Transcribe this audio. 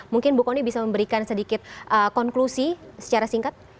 mungkin bu kony bisa memberikan sedikit konklusi secara singkat